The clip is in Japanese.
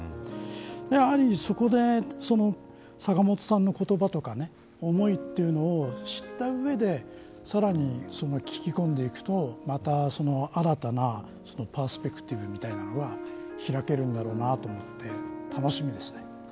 やはりそこで坂本さんの言葉とか思いというのを知った上でさらに聞き込んでいくとまた新たなパースペクティブみたいなのは開けるんだろうなと思って楽しみですね。